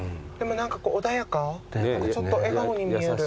ちょっと笑顔に見える。